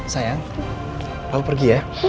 sayang aku pergi ya